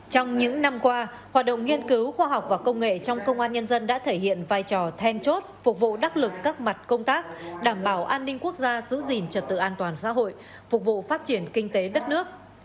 trong những năm qua hoạt động nghiên cứu khoa học và công nghệ trong công an nhân dân đã thể hiện vai trò then chốt phục vụ đắc lực các mặt công tác đảm bảo an ninh quốc gia giữ gìn trật tự an toàn xã hội phục vụ phát triển kinh tế đất nước